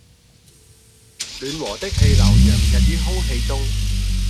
暖和的氣流洋溢於空氣中